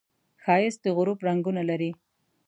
ښایست د غروب رنګونه لري